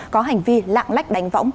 có hành vi lạng lách đánh võng